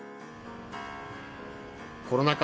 コロナ禍